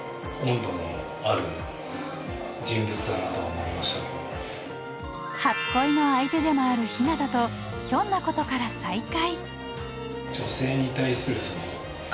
そういうのは初恋の相手でもある日向とひょんなことから再会